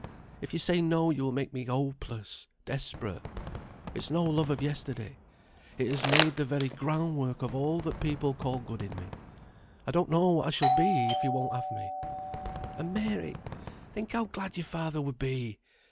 If you say No you will make me hopeless, desperate. It's no love of yesterday. It has made the very groundwork of all that people call good in me. I don't know what I shall be if you won't have me. And, Mary! think how glad your father would be!